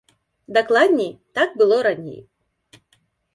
Дакладней, так было раней.